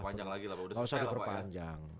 tidak usah diperpanjang